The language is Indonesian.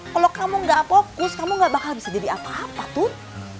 kalau kamu gak fokus kamu gak bakal bisa jadi apa apa tuh